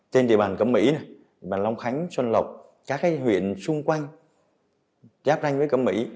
trên địa bàn cẩm mỹ địa bàn long khánh xuân lộc các cái huyện xung quanh giáp ranh với cẩm mỹ